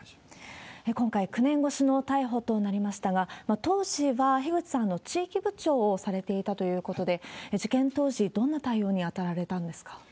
今回、９年越しの逮捕となりましたが、当時は樋口さん、地域部長をされていたということで、事件当時、どんな対応に当たられたんですか？